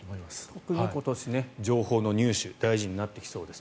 特に今年、情報の入手が重要になってきそうです。